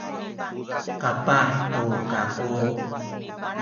kapah tu kaku